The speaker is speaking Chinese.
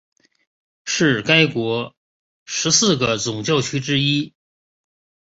是该国十四个总教区之一。